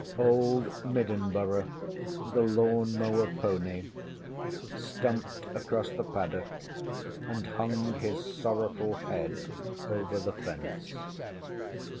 Old Middenboro, the lawn mower pony, stumped across the paddock and hung his sorrowful head over the fence.